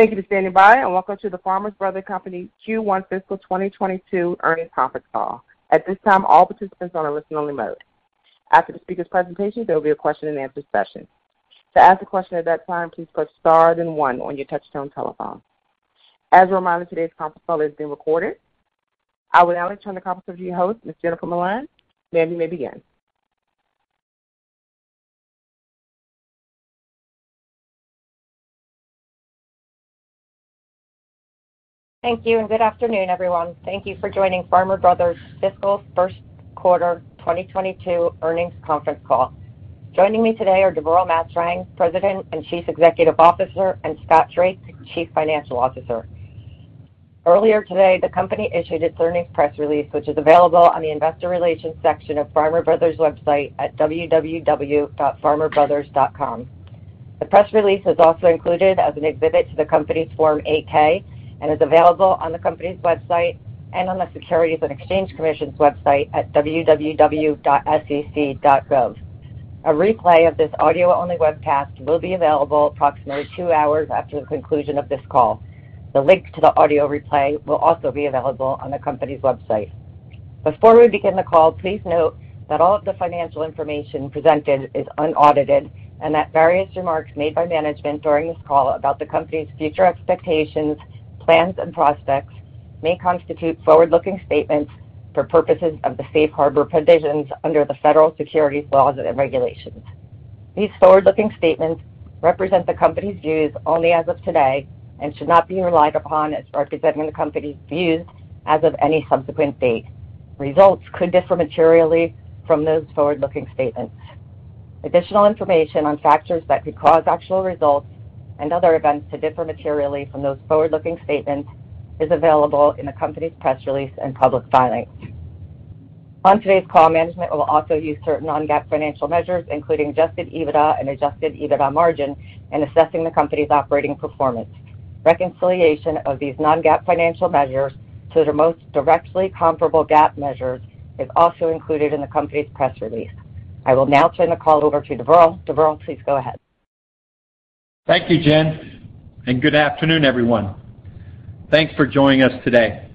Thank you for standing by and welcome to the Farmer Brothers Company Q1 Fiscal 2022 Earnings Conference Call. At this time, all participants are on a listen-only mode. After the speaker's presentation, there will be a question-and-answer session. To ask a question at that time, please press star then one on your touchtone telephone. As a reminder, today's conference call is being recorded. I would now like to turn the conference over to your host, Ms. Jennifer Milan. Ma'am, you may begin. Thank you and good afternoon, everyone. Thank you for joining Farmer Brothers Fiscal First Quarter 2022 Earnings Conference Call. Joining me today are Deverl Maserang, President and Chief Executive Officer, and Scott Drake, Chief Financial Officer. Earlier today, the company issued its earnings press release, which is available on the investor relations section of Farmer Brothers' website at www.farmerbrothers.com. The press release is also included as an exhibit to the company's Form 8-K and is available on the company's website and on the Securities and Exchange Commission's website at www.sec.gov. A replay of this audio-only webcast will be available approximately two hours after the conclusion of this call. The link to the audio replay will also be available on the company's website. Before we begin the call, please note that all of the financial information presented is unaudited. And that various remarks made by management during this call about the company's future expectations, plans and prospects may constitute forward-looking statements for purposes of the safe harbor provisions under the federal securities laws and regulations. These forward-looking statements represent the company's views only as of today, and should not be relied upon as representing the company's views as of any subsequent date. Results could differ materially from those forward-looking statements. Additional information on factors that could cause actual results and other events to differ materially from those forward-looking statements is available in the company's press release and public filings. On today's call, management will also use certain non-GAAP financial measures, including adjusted EBITDA and adjusted EBITDA margin in assessing the company's operating performance. Reconciliation of these non-GAAP financial measures to their most directly comparable GAAP measures is also included in the company's press release. I will now turn the call over to Deverl. Deverl, please go ahead. Thank you, Jen, and good afternoon, everyone. Thanks for joining us today.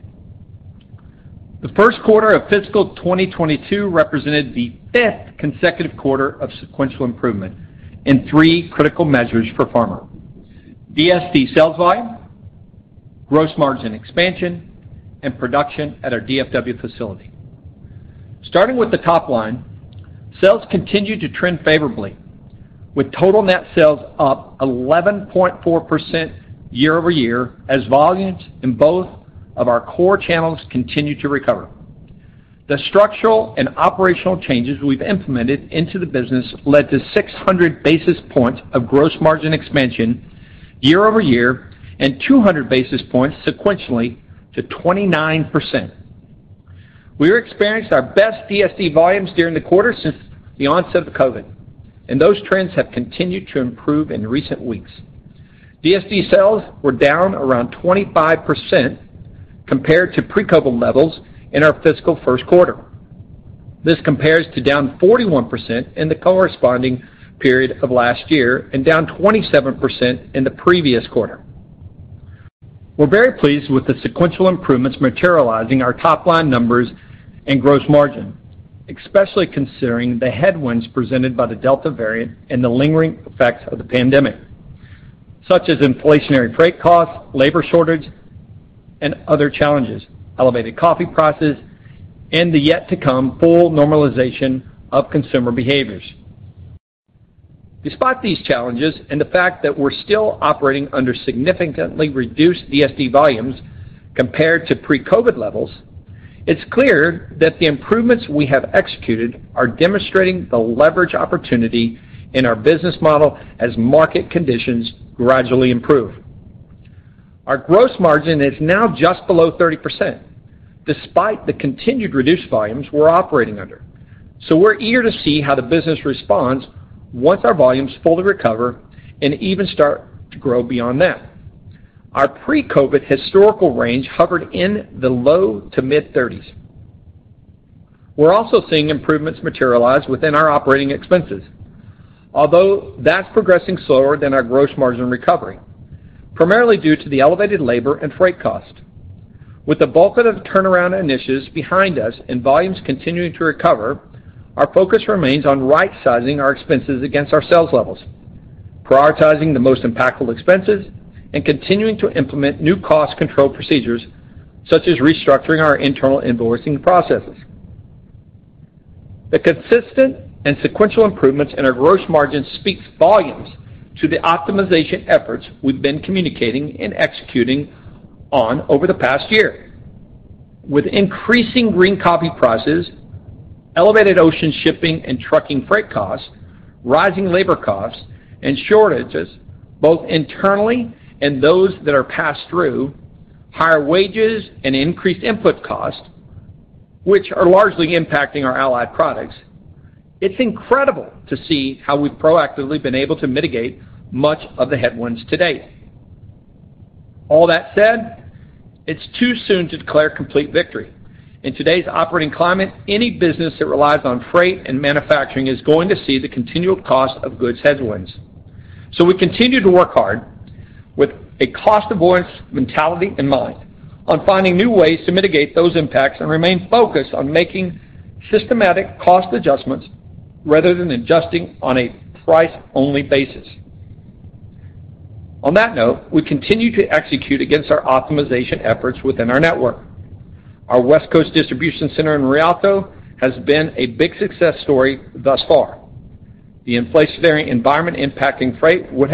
The first quarter of fiscal 2022 represented the fifth consecutive quarter of sequential improvement in three critical measures for Farmer. DSD sales volume, gross margin expansion, and production at our DFW facility. Starting with the top line, sales continued to trend favorably, with total net sales up 11.4% year-over-year, as volumes in both of our core channels continued to recover. The structural and operational changes we've implemented into the business led to 600 basis points of gross margin expansion year-over-year, and 200 basis points sequentially to 29%. We experienced our best DSD volumes during the quarter since the onset of COVID, and those trends have continued to improve in recent weeks. DSD sales were down around 25% compared to pre-COVID levels in our fiscal first quarter. This compares to down 41% in the corresponding period of last year, and down 27% in the previous quarter. We're very pleased with the sequential improvements materializing our top line numbers and gross margin. Especially considering the headwinds presented by the Delta variant and the lingering effects of the pandemic. Such as inflationary freight costs, labor shortage, and other challenges, elevated coffee prices, and the yet to come full normalization of consumer behaviors. Despite these challenges and the fact that we're still operating under significantly reduced DSD volumes compared to pre-COVID levels. It's clear that the improvements we have executed are demonstrating the leverage opportunity in our business model as market conditions gradually improve. Our gross margin is now just below 30% despite the continued reduced volumes we're operating under. We're eager to see how the business responds once our volumes fully recover and even start to grow beyond that. Our pre-COVID historical range hovered in the low- to mid-30s%. We're also seeing improvements materialize within our operating expenses. Although that's progressing slower than our gross margin recovery. Primarily due to the elevated labor and freight cost. With the bulk of the turnaround initiatives behind us and volumes continuing to recover. Our focus remains on right-sizing our expenses against our sales levels. Prioritizing the most impactful expenses and continuing to implement new cost control procedures such as restructuring our internal invoicing processes. The consistent and sequential improvements in our gross margin speaks volumes to the optimization efforts, we've been communicating and executing on over the past year. With increasing green coffee prices, elevated ocean shipping and trucking freight costs, rising labor costs and shortage. Both internally and those that are passed through, higher wages and increased input costs. Which are largely impacting our allied products, it's incredible to see how we've proactively been able to mitigate much of the headwinds to date. All that said, it's too soon to declare complete victory. In today's operating climate, any business that relies on freight and manufacturing is going to see the continual cost of goods headwinds. We continue to work hard with a cost avoidance mentality in mind on finding new ways to mitigate those impacts and remain focused on making systematic cost adjustments, rather than adjusting on a price-only basis. On that note, we continue to execute against our optimization efforts within our network. Our West Coast distribution center in Rialto has been a big success story thus far. The inflationary environment impacting freight would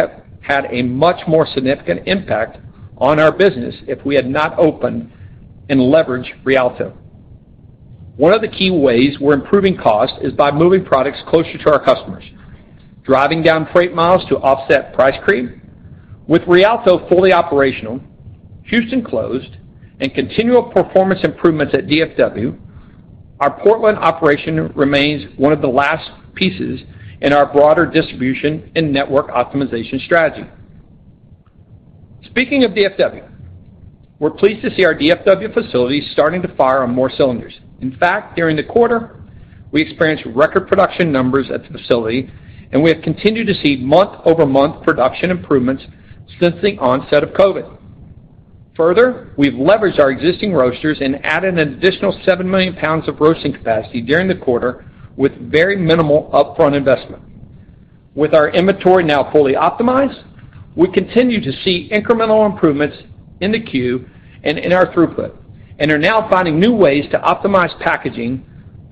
have had a much more significant impact on our business. If we had not opened and leveraged Rialto. One of the keyways we're improving cost is by moving products closer to our customers, driving down freight miles to offset price creep. With Rialto fully operational, Houston closed, and continual performance improvements at DFW. Our Portland operation remains one of the last pieces in our broader distribution and network optimization strategy. Speaking of DFW, we're pleased to see our DFW facility starting to fire on more cylinders. In fact, during the quarter, we experienced record production numbers at the facility, and we have continued to see month-over-month production improvements since the onset of COVID. Further, we've leveraged our existing roasters and added an additional 7 million lbs of roasting capacity during the quarter with very minimal upfront investment. With our inventory now fully optimized, we continue to see incremental improvements in the queue, and in our throughput. And are now finding new ways to optimize packaging,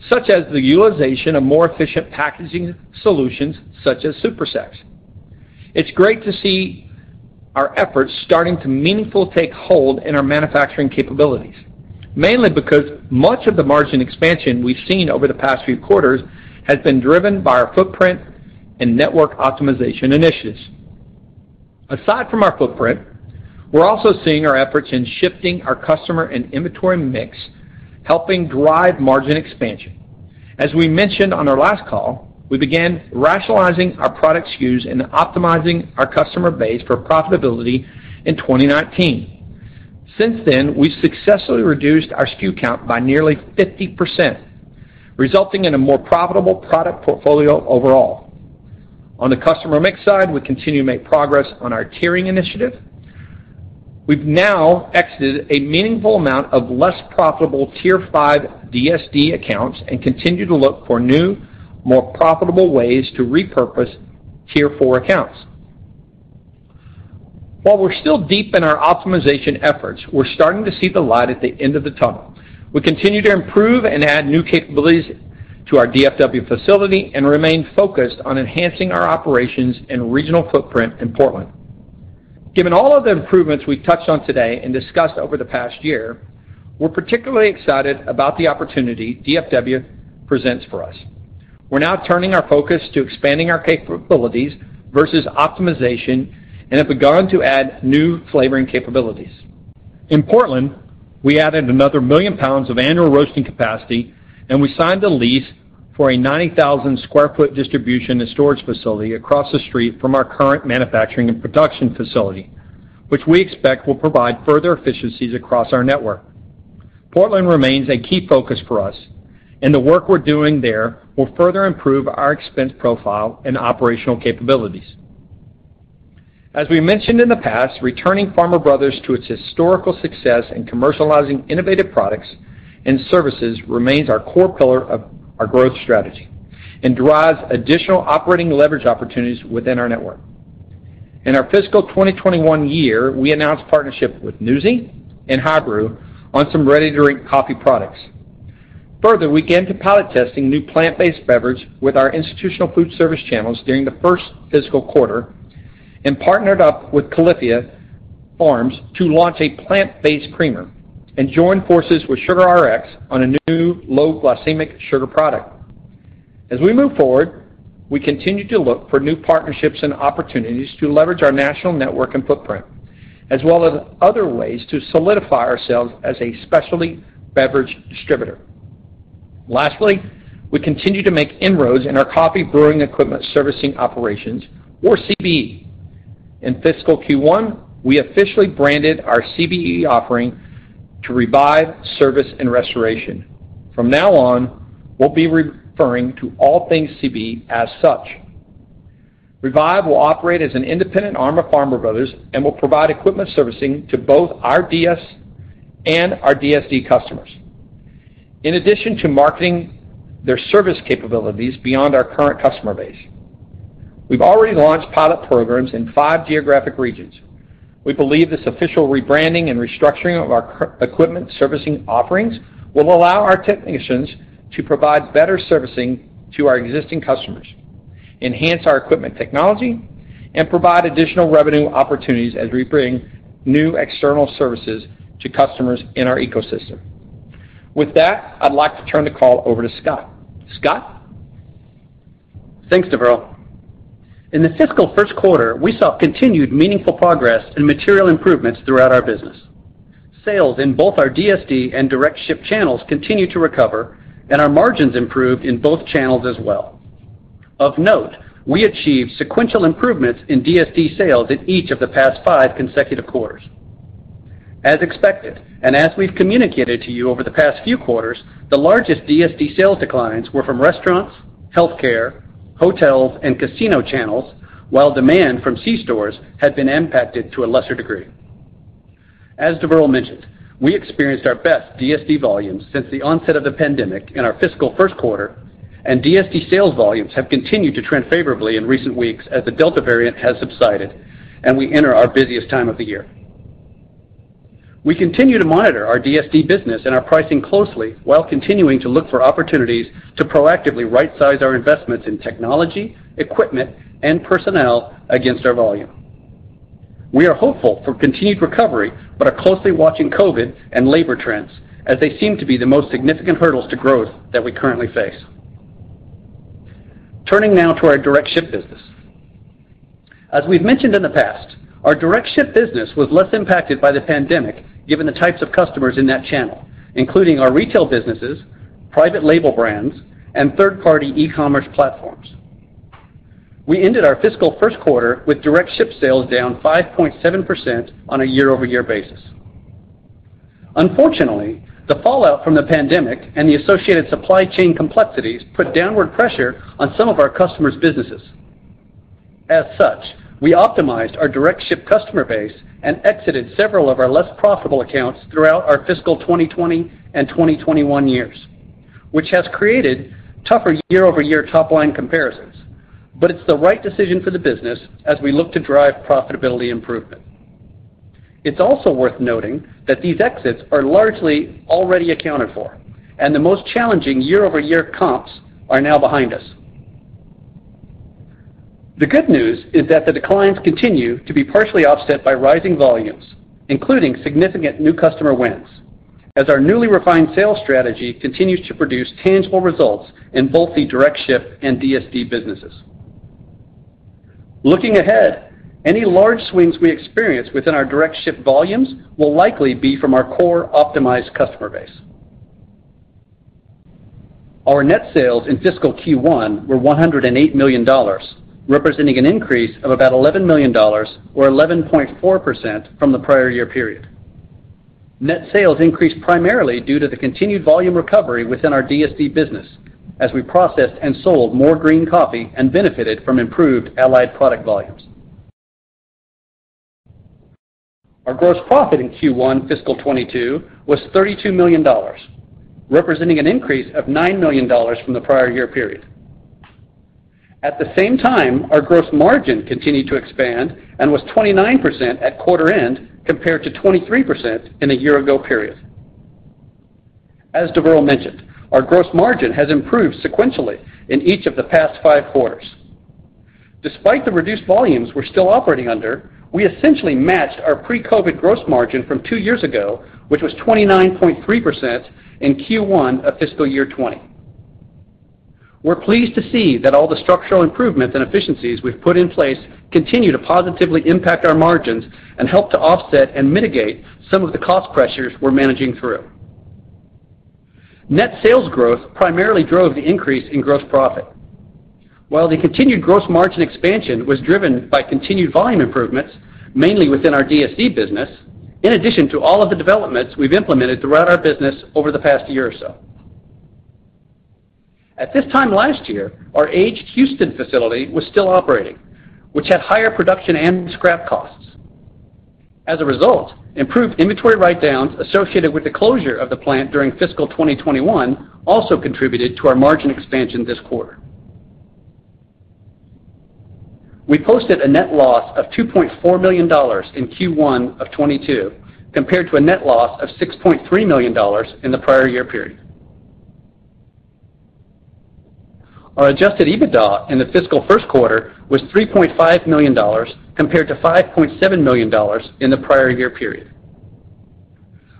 such as the utilization of more efficient packaging solutions, such as super sacks. It's great to see our efforts starting to meaningfully take hold in our manufacturing capabilities. Mainly because much of the margin expansion we've seen over the past few quarters has been driven by our footprint and network optimization initiatives. Aside from our footprint, we're also seeing our efforts in shifting our customer and inventory mix, helping drive margin expansion. As we mentioned on our last call, we began rationalizing our product SKUs and optimizing our customer base for profitability in 2019. Since then, we successfully reduced our SKU count by nearly 50%, resulting in a more profitable product portfolio overall. On the customer mix side, we continue to make progress on our tiering initiative. We've now exited a meaningful amount of less profitable Tier Five DSD accounts and continue to look for new, more profitable ways to repurpose Tier Four accounts. While we're still deep in our optimization efforts, we're starting to see the light at the end of the tunnel. We continue to improve and add new capabilities to our DFW facility and remain focused on enhancing our operations and regional footprint in Portland. Given all of the improvements we've touched on today and discussed over the past year. We're particularly excited about the opportunity DFW presents for us. We're now turning our focus to expanding our capabilities versus optimization and have begun to add new flavoring capabilities. In Portland, we added another 1 million lbs of annual roasting capacity, and we signed a lease for a 90,000 sq ft distribution and storage facility across the street. From our current manufacturing and production facility, which we expect will provide further efficiencies across our network. Portland remains a key focus for us, and the work we're doing there will further improve our expense profile and operational capabilities. As we mentioned in the past, returning Farmer Brothers to its historical success in commercializing innovative products, and services remains our core pillar of our growth strategy. And drives additional operating leverage opportunities within our network. In our fiscal 2021 year, we announced partnership with NuZee and High Brew on some ready-to-drink coffee products. Further, we began to pilot testing new plant-based beverage with our institutional food service channels during the first fiscal quarter. And partnered up with Califia Farms to launch a plant-based creamer and joined forces with RxSugar on a new low-glycemic sugar product. As we move forward, we continue to look for new partnerships and opportunities to leverage our national network and footprint. As well as other ways to solidify ourselves as a specialty beverage distributor. Lastly, we continue to make inroads in our Coffee Brewing Equipment servicing operations or CBE. In fiscal Q1, we officially branded our CBE offering to Revive Service and Restoration. From now on, we'll be referring to all things CBE as such. Revive will operate as an independent arm of Farmer Brothers and will provide equipment servicing to both our DS and our DSD customers in addition to marketing their service capabilities beyond our current customer base. We've already launched pilot programs in five geographic regions. We believe this official rebranding and restructuring of our equipment servicing offerings will allow our technicians to provide better servicing to our existing customers, enhance our equipment technology, and provide additional revenue opportunities as we bring new external services to customers in our ecosystem. With that, I'd like to turn the call over to Scott. Scott? Thanks Deverl, in the fiscal first quarter, we saw continued meaningful progress and material improvements throughout our business. Sales in both our DSD and Direct-Ship channels continued to recover, and our margins improved in both channels as well. Of note, we achieved sequential improvements in DSD sales in each of the past five consecutive quarters. As expected, and as we've communicated to you over the past few quarters. The largest DSD sales declines were from restaurants, healthcare, hotels, and casino channels, while demand from c-stores had been impacted to a lesser degree. As Deverl mentioned, we experienced our best DSD volumes since the onset of the pandemic in our fiscal first quarter. And DSD sales volumes have continued to trend favorably in recent weeks as the Delta variant has subsided and we enter our busiest time of the year. We continue to monitor our DSD business and our pricing closely, while continuing to look for opportunities to proactively right-size our investments in technology, equipment, and personnel against our volume. We are hopeful for continued recovery but are closely watching COVID, and labor trends as they seem to be the most significant hurdles to growth that we currently face. Turning now to our Direct-Ship business. As we've mentioned in the past, our Direct-Ship business was less impacted by the pandemic given the types of customers in that channel. Including our retail businesses, private label brands, and third-party e-commerce platforms. We ended our fiscal first quarter with Direct-Ship sales down 5.7% on a year-over-year basis. Unfortunately, the fallout from the pandemic and the associated supply chain complexities put downward pressure on some of our customers' businesses. As such, we optimized our Direct-Ship customer base and exited several of our less profitable accounts throughout our fiscal 2020 and 2021 years. Which has created tougher year-over-year top-line comparisons. It's the right decision for the business as we look to drive profitability improvement. It's also worth noting that these exits are largely already accounted for, and the most challenging year-over-year comps are now behind us. The good news is that the declines continue to be partially offset by rising volumes, including significant new customer wins. As our newly refined sales strategy continues to produce tangible results in both the Direct-Ship and DSD businesses. Looking ahead, any large swings we experience within our Direct-Ship volumes will likely be from our core optimized customer base. Our net sales in fiscal Q1 were $108 million, representing an increase of about $11 million or 11.4% from the prior year period. Net sales increased primarily due to the continued volume recovery within our DSD business. As we processed and sold more green coffee and benefited from improved allied product volumes. Our gross profit in Q1 fiscal 2022 was $32 million, representing an increase of $9 million from the prior year period. At the same time, our gross margin continued to expand and was 29% at quarter end compared to 23% in the year-ago period. Deverl mentioned, our gross margin has improved sequentially in each of the past five quarters. Despite the reduced volumes we're still operating under, we essentially matched our pre-COVID gross margin from two years ago. Which was 29.3% in Q1 of fiscal year 2020. We're pleased to see that all the structural improvements and efficiencies we've put in place continue to positively impact our margins. And help to offset and mitigate some of the cost pressures we're managing through. Net sales growth primarily drove the increase in gross profit. While the continued gross margin expansion was driven by continued volume improvements. Mainly within our DSD business, in addition to all of the developments we've implemented throughout our business over the past year or so. At this time last year, our aged Houston facility was still operating, which had higher production and scrap costs. As a result, improved inventory write-downs associated with the closure of the plant during fiscal 2021 also contributed to our margin expansion this quarter. We posted a net loss of $2.4 million in Q1 of 2022, compared to a net loss of $6.3 million in the prior year period. Our adjusted EBITDA in the fiscal first quarter was $3.5 million compared to $5.7 million in the prior year period.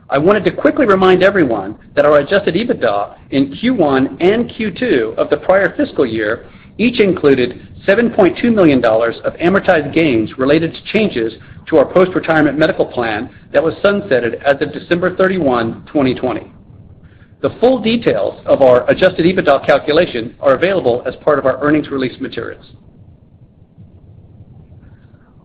I wanted to quickly remind everyone that our adjusted EBITDA in Q1 and Q2 of the prior fiscal year each included $7.2 million of amortized gains related to changes. To our post-retirement medical plan that was sunsetted as of December 31, 2020. The full details of our adjusted EBITDA calculation are available as part of our earnings release materials.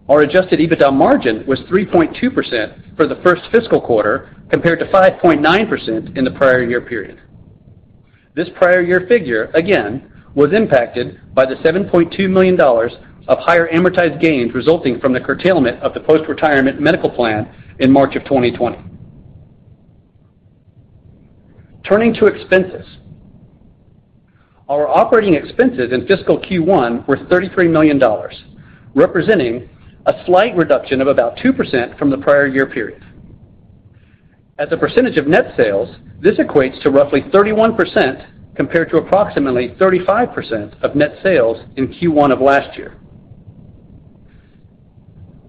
Our adjusted EBITDA margin was 3.2% for the first fiscal quarter, compared to 5.9% in the prior year period. This prior year figure, again, was impacted by the $7.2 million of higher amortized gains. Resulting from the curtailment of the post-retirement medical plan in March of 2020. Turning to expenses, our operating expenses in fiscal Q1 were $33 million. Representing a slight reduction of about 2% from the prior year period. As a percentage of net sales, this equates to roughly 31% compared to approximately 35% of net sales in Q1 of last year.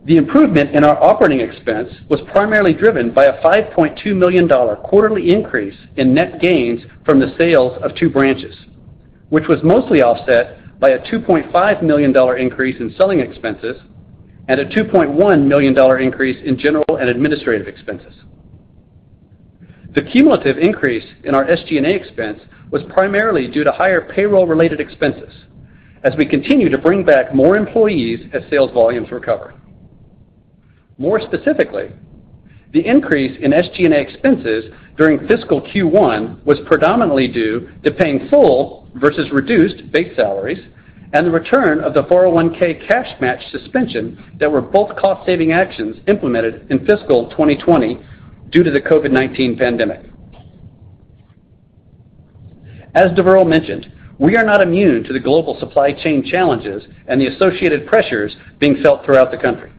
The improvement in our operating expense was primarily driven by a $5.2 million quarterly increase in net gains from the sales of two branches. Which was mostly offset by a $2.5 million increase in selling expenses, and a $2.1 million increase in general and administrative expenses. The cumulative increase in our SG&A expense was primarily due to higher payroll-related expenses. As we continue to bring back more employees as sales volumes recover. More specifically, the increase in SG&A expenses during fiscal Q1 was predominantly due to paying full versus reduced base salaries and the return of the 401(k) cash match suspension. That were both cost-saving actions implemented in fiscal 2020 due to the COVID-19 pandemic. As Deverl mentioned, we are not immune to the global supply chain challenges and the associated pressures being felt throughout the country.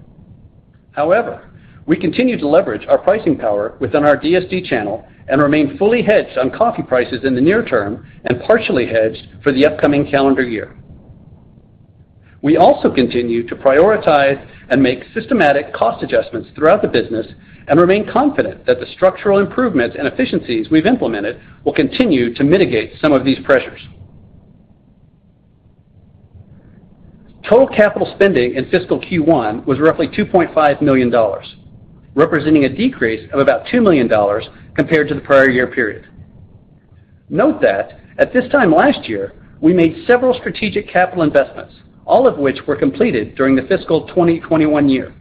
However, we continue to leverage our pricing power within our DSD channel. And remain fully hedged on coffee prices in the near term and partially hedged for the upcoming calendar year. We also continue to prioritize and make systematic cost adjustments throughout the business and remain confident that the structural improvements and efficiencies we've implemented will continue to mitigate some of these pressures. Total capital spending in fiscal Q1 was roughly $2.5 million, representing a decrease of about $2 million compared to the prior year period. Note that at this time last year, we made several strategic capital investments, all of which were completed during the fiscal 2021 year.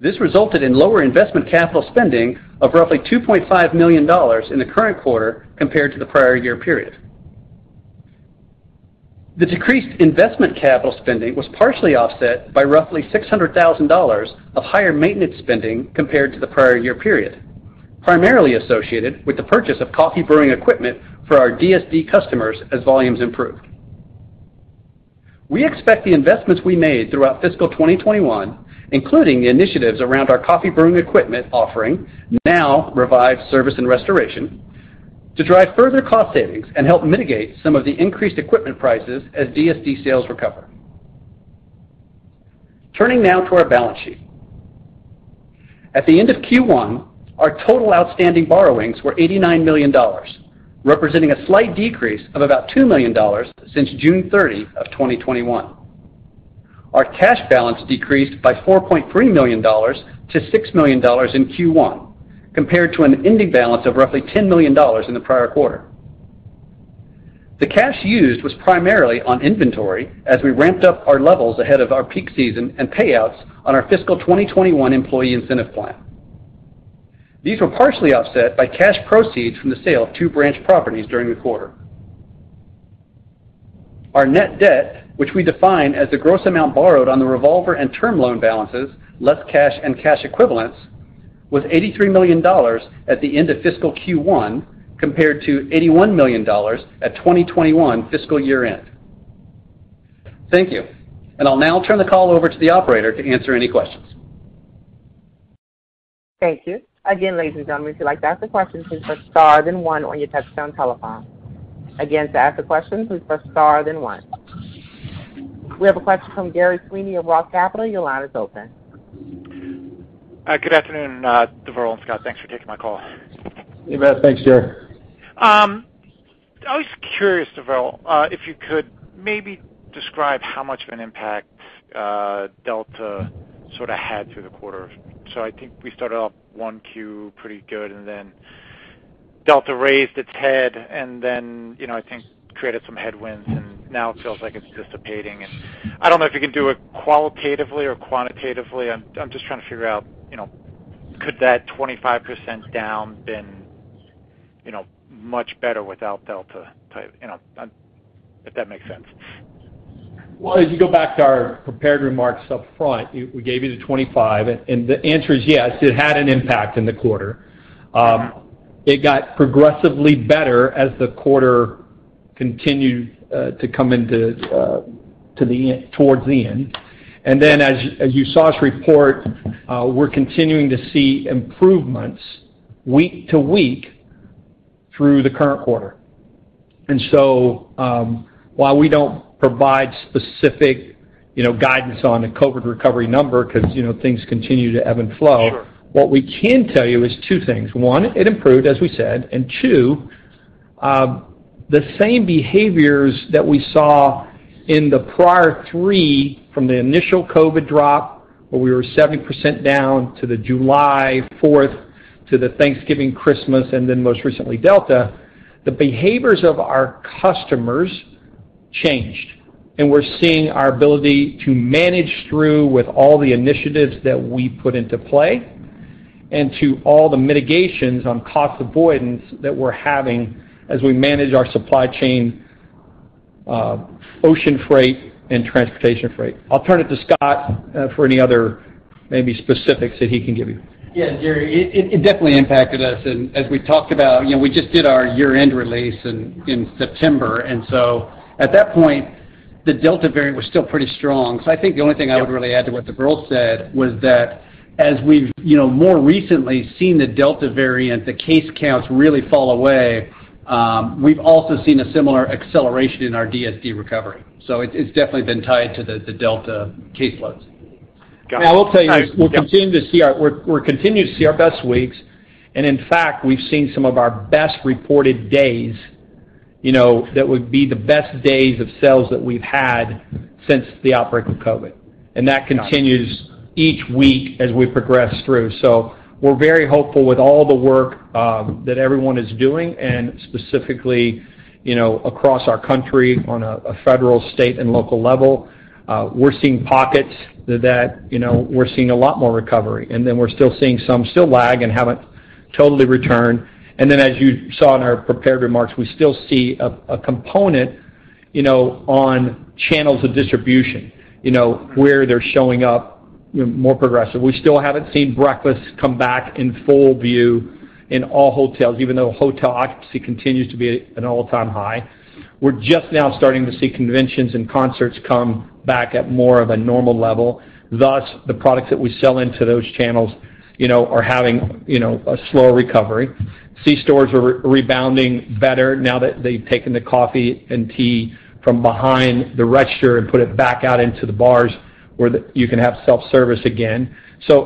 This resulted in lower investment capital spending of roughly $2.5 million in the current quarter compared to the prior year period. The decreased investment capital spending was partially offset by roughly $600,000 of higher maintenance spending compared to the prior year period. Primarily associated with the purchase of Coffee Brewing Equipment for our DSD customers as volumes improve. We expect the investments we made throughout fiscal 2021, including the initiatives around our coffee brewing equipment offering, now Revive Service and Restoration to drive further cost savings and help mitigate some of the increased equipment prices as DSD sales recover. Turning now to our balance sheet. At the end of Q1, our total outstanding borrowings were $89 million. Representing a slight decrease of about $2 million since June 30, 2021. Our cash balance decreased by $4.3 million-$6 million in Q1, compared to an ending balance of roughly $10 million in the prior quarter. The cash used was primarily on inventory as we ramped up our levels ahead of our peak season and payouts on our fiscal 2021 employee incentive plan. These were partially offset by cash proceeds from the sale of two branch properties during the quarter. Our net debt, which we define as the gross amount borrowed on the revolver and term loan balances, less cash and cash equivalents, was $83 million at the end of fiscal Q1, compared to $81 million at 2021 fiscal year-end. Thank you, I'll now turn the call over to the operator to answer any questions. We have a question from Gerry Sweeney of ROTH Capital. Your line is open. Good afternoon, Deverl and Scott thanks for taking my call. You bet thanks, Gerry. I was curious, Deverl, if you could maybe describe how much of an impact Delta sort of had through the quarter. I think we started off 1Q pretty good, and then Delta raised its head. And then, you know, I think created some headwinds, and now it feels like it's dissipating. I don't know if you can do it qualitatively or quantitatively. I'm just trying to figure out, you know, could that 25% down been, you know, much better without Delta type? You know, if that makes sense. Well, as you go back to our prepared remarks up front, we gave you the 25, and the answer is yes, it had an impact in the quarter. It got progressively better as the quarter continued towards the end. As you saw us report, we're continuing to see improvements week to week through the current quarter. While we don't provide specific, you know, guidance on the COVID recovery number cause, you know, things continue to ebb and flow. Sure. What we can tell you is two things. One, it improved, as we said, two, the same behaviors that we saw in the prior three from the initial COVID drop. Where we were 70% down to the July fourth to Thanksgiving, Christmas, and then most recently, Delta, the behaviors of our customers changed. We're seeing our ability to manage through with all the initiatives that we put into play. And to all the mitigations on cost avoidance that we're having as we manage our supply chain, ocean freight and transportation freight. I'll turn it to Scott for any other maybe specifics that he can give you. Yeah, Gerry, it definitely impacted us. As we talked about, you know, we just did our year-end release in September. At that point, the Delta variant was still pretty strong. I think the only thing I would really add to what Deverl said was that as we've, you know, more recently seen the Delta variant, the case counts really fall away. We've also seen a similar acceleration in our DSD recovery. It's definitely been tied to the Delta caseloads. Got it. I will tell you, we're continuing to see our best weeks, and in fact, we've seen some of our best reported days. You know, that would be the best days of sales that we've had since the outbreak of COVID, and that continues each week as we progress through. We're very hopeful with all the work that everyone is doing, and specifically, you know, across our country on a federal, state, and local level. We're seeing pockets that, you know, we're seeing a lot more recovery. We're still seeing some that still lag and haven't totally returned. As you saw in our prepared remarks, we still see a component, you know, on channels of distribution, you know, where they're showing up, you know, more progressively. We still haven't seen breakfast come back in full view in all hotels, even though hotel occupancy continues to be at an all-time high. We're just now starting to see conventions and concerts come back at more of a normal level. Thus, the products that we sell into those channels, you know, are having, you know, a slower recovery. C-stores are rebounding better now that they've taken the coffee and tea from behind the register and put it back out into the bars where you can have self-service again.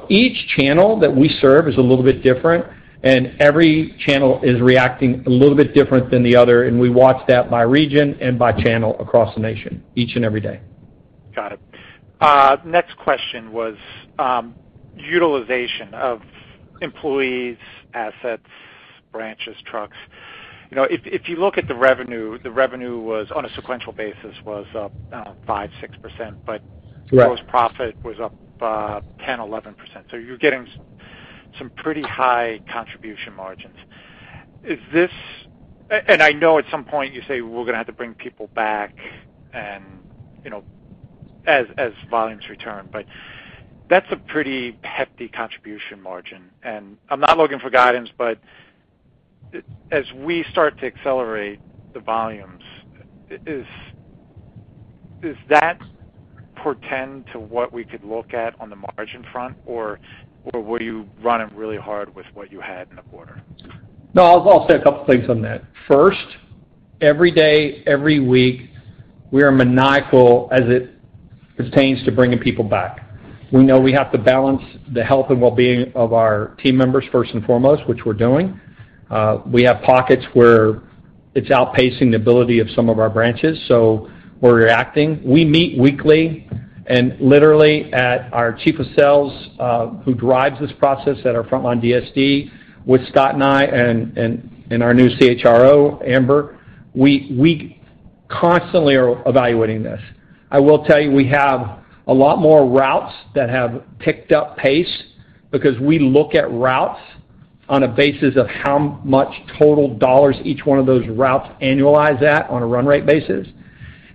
Each channel that we serve is a little bit different, and every channel is reacting a little bit different than the other, and we watch that by region and by channel across the nation each and every day. Got it, next question was utilization of employees, assets, branches, trucks. You know, if you look at the revenue, the revenue was up on a sequential basis, I don't know, 5%-6%. Right. Gross profit was up 10%-11%. So, you're getting some pretty high contribution margins. Is this? I know at some point you say, "Well, we're gonna have to bring people back," and as volumes return. That's a pretty hefty contribution margin. I'm not looking for guidance, but as we start to accelerate the volumes, is that portend to what we could look at on the margin front, or were you running really hard with what you had in the quarter? No, I'll say a couple things on that. First, every day, every week, we are maniacal as it pertains to bringing people back. We know we have to balance the health and wellbeing of our team members first and foremost, which we're doing. We have pockets where it's outpacing the ability of some of our branches, so we're reacting. We meet weekly and literally at our Chief of Sales, who drives this process at our frontline DSD with Scott and I and our new CHRO, Amber. We constantly are evaluating this. I will tell you, we have a lot more routes that have picked up pace because we look at routes on a basis of how much total dollars each one of those routes annualize at on a run rate basis.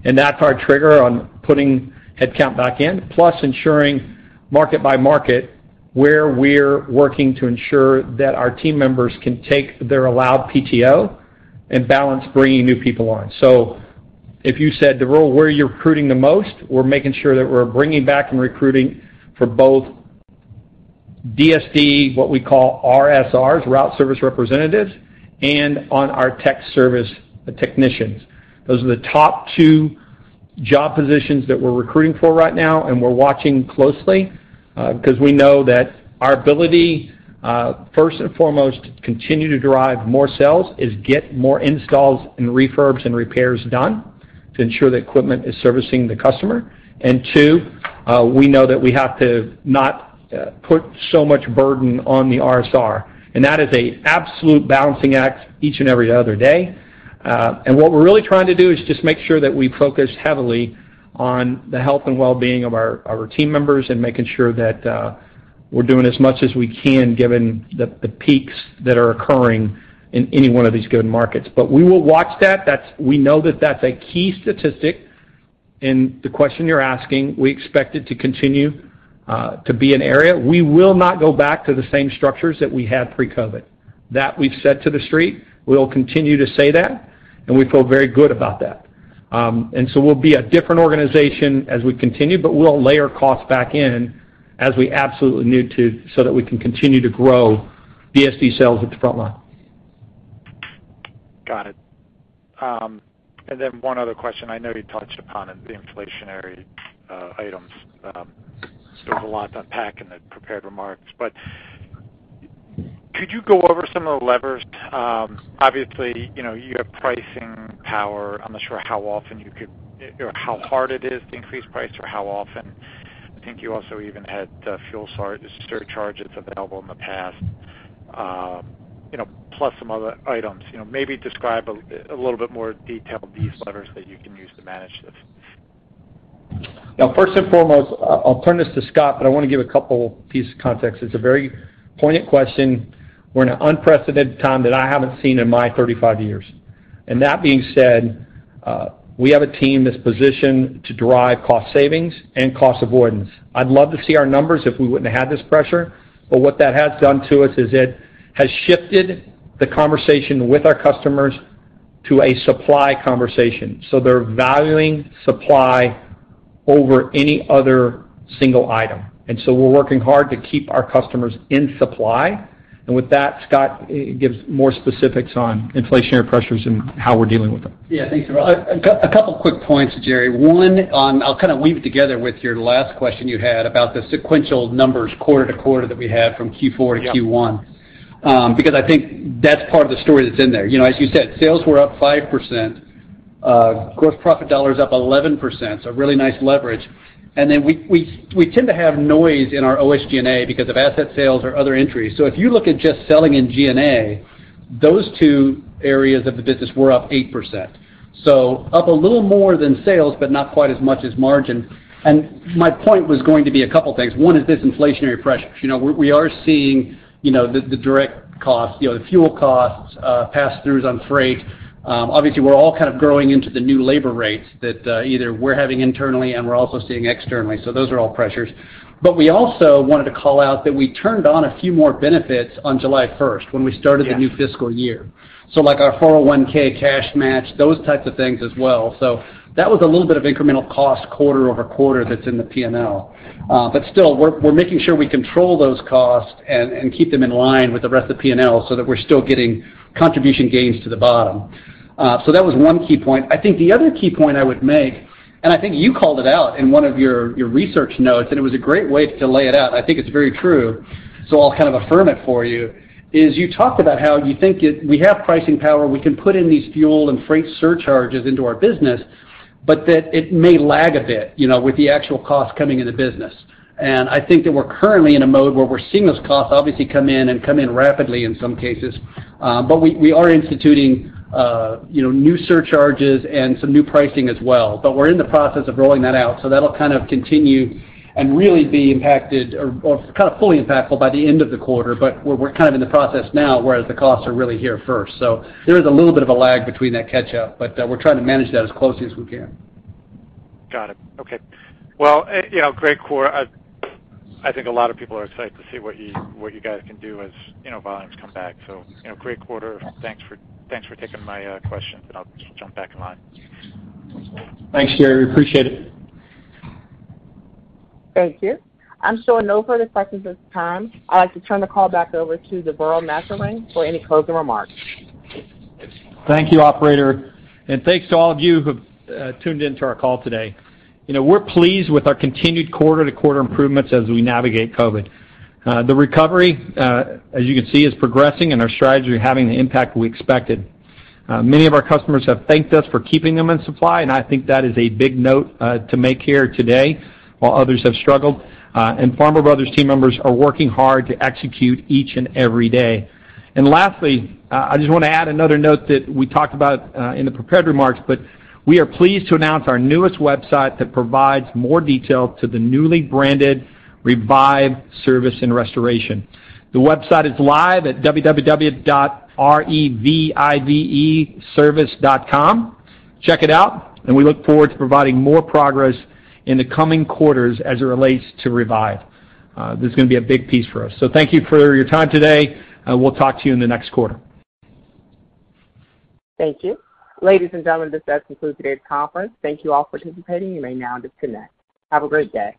That's our trigger on putting headcount back in, plus ensuring market by market where we're working to ensure that our team members can take their allowed PTO and balance bringing new people on. If you said, "Deverl, where are you recruiting the most?" We're making sure that we're bringing back and recruiting for both DSD, what we call RSRs, Route Service Representatives, and on our tech service technicians. Those are the top two job positions that we're recruiting for right now, and we're watching closely, 'cause we know that our ability, first and foremost, to continue to drive more sales is get more installs and refurbs and repairs done to ensure that equipment is servicing the customer. Two, we know that we have to not put so much burden on the RSR, and that is an absolute balancing act each and every other day. What we're really trying to do is just make sure that we focus heavily on the health and wellbeing of our team members and making sure that we're doing as much as we can given the peaks that are occurring in any one of these given markets. We will watch that. That's. We know that that's a key statistic in the question you're asking. We expect it to continue to be an area. We will not go back to the same structures that we had pre-COVID. That we've said to the Street, we'll continue to say that, and we feel very good about that. We'll be a different organization as we continue, but we'll layer costs back in as we absolutely need to so that we can continue to grow DSD sales at the frontline. Got it, one other question. I know you touched upon it, the inflationary items. There's a lot to unpack in the prepared remarks, but could you go over some of the levers? Obviously, you know, you have pricing power. I'm not sure how often you could or how hard it is to increase price or how often. I think you also even had fuel surcharges available in the past, you know, plus some other items. You know, maybe describe a little bit more detail of these levers that you can use to manage this. Now, first and foremost, I'll turn this to Scott, but I wanna give a couple piece of context. It's a very poignant question. We're in an unprecedented time that I haven't seen in my 35 years. That being said, we have a team that's positioned to drive cost savings and cost avoidance. I'd love to see our numbers if we wouldn't have had this pressure, but what that has done to us is it has shifted the conversation with our customers to a supply conversation. They're valuing supply over any other single item. We're working hard to keep our customers in supply. With that, Scott gives more specifics on inflationary pressures and how we're dealing with them. Yeah thanks, Deverl, a couple quick points, Gerry. One on, I'll kind of weave it together with your last question you had about the sequential numbers quarter to quarter that we had from Q4 to Q1. Yeah. Because I think that's part of the story that's in there. You know, as you said, sales were up 5%. Gross profit dollars up 11%, so really nice leverage. Then we tend to have noise in our adjusted SG&A because of asset sales or other entries. If you look at just selling and G&A, those two areas of the business were up 8%. Up a little more than sales, but not quite as much as margin. My point was going to be a couple things. One is disinflationary pressures. You know, we are seeing the direct costs, you know, the fuel costs, pass-throughs on freight. Obviously, we're all kind of growing into the new labor rates that either we're having internally and we're also seeing externally. Those are all pressures. We also wanted to call out that we turned on a few more benefits on July first when we started the new fiscal year. Like our 401(k) cash match, those types of things as well. That was a little bit of incremental cost quarter over quarter that's in the P&L. Still, we're making sure we control those costs and keep them in line with the rest of P&L so that we're still getting contribution gains to the bottom. That was one key point. I think the other key point I would make, and I think you called it out in one of your research notes. And it was a great way to lay it out, and I think it's very true, so I'll kind of affirm it for you, is you talked about how you think we have pricing power. We can put in these fuel and freight surcharges into our business, but that it may lag a bit, you know, with the actual cost coming in the business. I think that we're currently in a mode where we're seeing those costs obviously come in and come in rapidly in some cases. But we are instituting, you know, new surcharges and some new pricing as well. We're in the process of rolling that out, so that'll kind of continue and really be impacted or kind of fully impactful by the end of the quarter. But we're kind of in the process now, whereas the costs are really here first. So, there is a little bit of a lag between that catch-up, but we're trying to manage that as closely as we can. Got it, okay well, you know, great quarter. I think a lot of people are excited to see what you guys can do as, you know, volumes come back. You know, great quarter. Thanks for taking my questions, and I'll jump back in line. Thanks Gerry, we appreciate it. Thank you, I'm showing no further questions at this time. I'd like to turn the call back over to Deverl Maserang for any closing remarks. Thank you, operator, and thanks to all of you who tuned in to our call today. You know, we're pleased with our continued quarter-to-quarter improvements as we navigate COVID. The recovery, as you can see, is progressing and our strategy having the impact we expected. Many of our customers have thanked us for keeping them in supply, and I think that is a big note to make here today. While others have struggled. Farmer Brothers team members are working hard to execute each and every day. Lastly, I just wanna add another note that we talked about in the prepared remarks. But we are pleased to announce our newest website that provides more detail to the newly branded Revive Service and Restoration. The website is live at www.reviveservice.com. Check it out, we look forward to providing more progress in the coming quarters as it relates to Revive. This is gonna be a big piece for us. Thank you for your time today. We'll talk to you in the next quarter. Thank you. Ladies and gentlemen, this does conclude today's conference. Thank you all for participating. You may now disconnect. Have a great day.